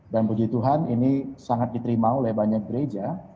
dan puji tuhan ini sangat diterima oleh banyak gereja